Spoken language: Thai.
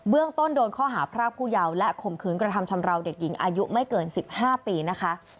ต้นโดนข้อหาพรากผู้เยาว์และข่มขืนกระทำชำราวเด็กหญิงอายุไม่เกิน๑๕ปีนะคะ